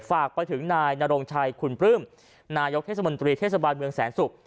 ฝากไปถึงนายนรงชัยคุณปลื้มนายกเทศมนตรีเทศบาลเมืองแสนศุกร์